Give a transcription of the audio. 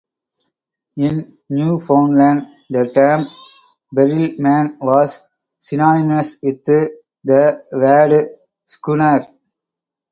In Newfoundland the term barrelman was synonymous with the word scunner.